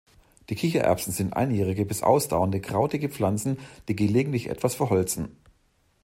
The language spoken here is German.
Die Kichererbsen sind einjährige bis ausdauernde krautige Pflanzen, die gelegentlich etwas verholzen.